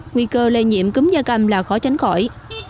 nguy cơ lây nhiễm cúm da cầm là khó tránh khỏi